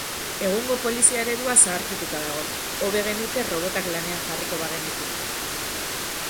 Egungo polizia eredua zaharkitua dago; hobe genuke robotak lanean jarriko bagenitu.